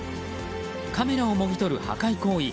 カメラをもぎ取る破壊行為。